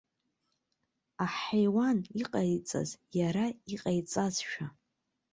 Аҳаиуан иҟанаҵаз иара иҟаиҵазшәа!